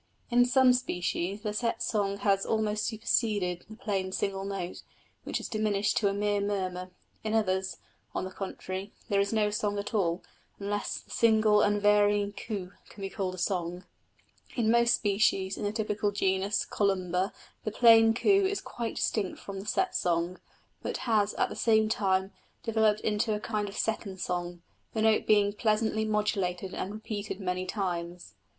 In some species the set song has almost superseded the plain single note, which has diminished to a mere murmur; in others, on the contrary, there is no song at all, unless the single unvarying coo can be called a song. In most species in the typical genus Columba the plain coo is quite distinct from the set song, but has at the same time developed into a kind of second song, the note being pleasantly modulated and repeated many times.